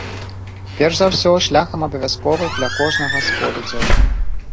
Перш за ўсё шляхам абавязковых для кожнага споведзяў.